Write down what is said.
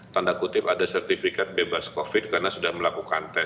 tanda kutip ada sertifikat bebas covid karena sudah melakukan tes